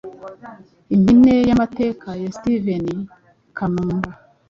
Impine y’amateka ya Steven Kanumba